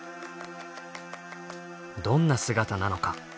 どんな姿なのか？